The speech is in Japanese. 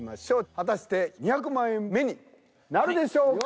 果たして２００万円目になるでしょうか？